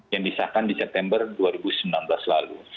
yang disahkan di september dua ribu sembilan belas lalu